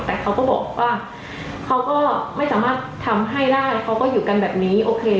แต่เขาก็บอกว่าเขาก็ไม่สามารถทำให้ได้เขาก็อยู่กันแบบนี้โอเค